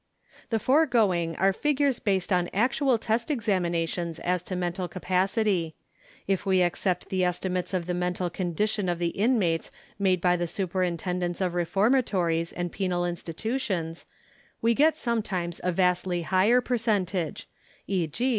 The foregoing are figures based on actual test examina tions as to mental capacity. If we accept the estimates of the mental condition of the inmates made by the superintendents of reformatories and penal institutions, we get sometimes a vastly higher percentage ; e.g.